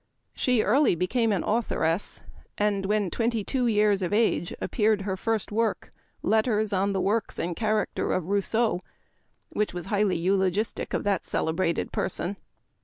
She early became an authoress, and when twenty two years of age appeared her first work, " Letters on the Works and Character of Rousseau ;" which was highly eulogistic of that celebrated person.